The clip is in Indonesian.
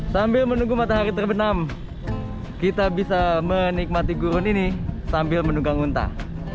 sambil menunggu matahari terbenam kita bisa menikmati gurun ini sambil menunggang muntah